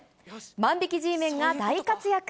万引きＧメンが大活躍。